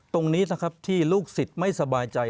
ตรงนี้นะครับที่ลูกศิษย์ไม่สบายใจ